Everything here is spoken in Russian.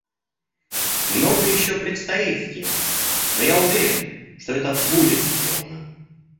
Многое еще предстоит сделать, но я уверен, что это будет сделано.